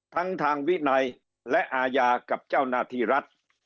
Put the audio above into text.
ทั้งทางวินัยและอาญากับเจ้าหน้าที่รัฐ